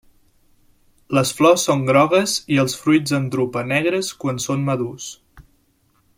Les flors són grogues i els fruits en drupa negres quan són madurs.